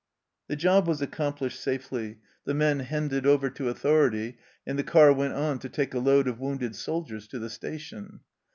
The job was accomplished safely, the men ON THE ROAD 75 handed over to authority, and the car went on to take a load of wounded soldiers to the station.